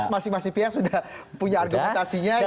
masih masih pihak sudah punya argumentasinya